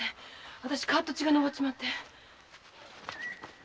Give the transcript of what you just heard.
あたしカーッと血が上っちまって。